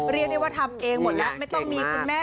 เรียกได้ว่าทำเองหมดแล้วไม่ต้องมีคุณแม่